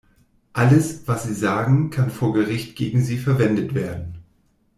Alles, was Sie sagen, kann vor Gericht gegen Sie verwendet werden.